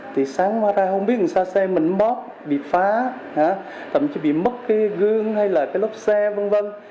thì sáng ra không biết làm sao xe mình bóp bị phá thậm chí bị mất cái gương hay là cái lốp xe vân vân